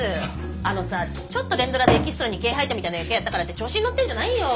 あのさちょっと連ドラでエキストラに毛生えたみたいな役やったからって調子に乗ってんじゃないよ。